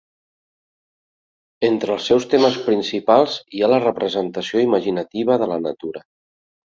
Entre els seus temes principals hi ha la representació imaginativa de la natura.